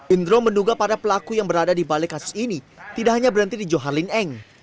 indro menduga para pelaku yang berada di balik kasus ini tidak hanya berhenti di johar lin eng